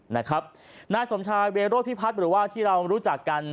นายสมชายเวโรพิพัฒน์หรือว่าที่เรารู้จักกัน